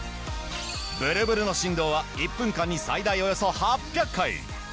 ブルブルの振動は１分間に最大およそ８００回！